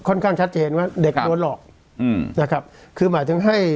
ข้างชัดเจนว่าเด็กโดนหลอกอืมนะครับคือหมายถึงให้